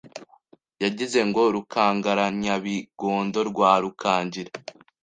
Yagize ngo Rukangaranyabigondo rwa Rukangira